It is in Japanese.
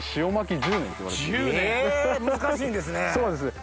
難しいんですね。